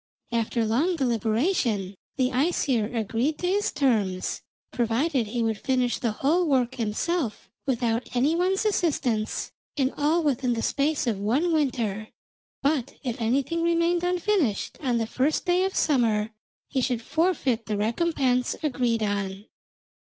After long deliberation the Æsir agreed to his terms, provided he would finish the whole work himself without any one's assistance, and all within the space of one winter, but if anything remained unfinished on the first day of summer, he should forfeit the recompense agreed on.